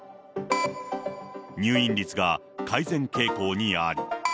入院率が改善傾向にある。